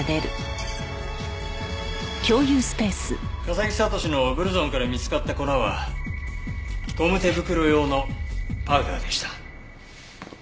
笠城覚士のブルゾンから見つかった粉はゴム手袋用のパウダーでした。